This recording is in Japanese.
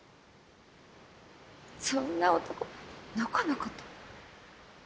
そんな男がのこのこと。